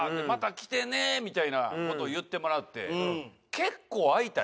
「また来てね」みたいな事を言ってもらって。